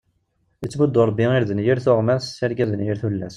Ittemuddu ṛebbi irden i yir tuɣmas, irggazen i yir tullas.